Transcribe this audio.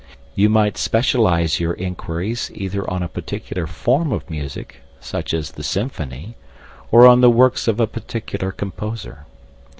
You might specialise your inquiries either on a particular form of music (such as the symphony), or on the works of a particular composer.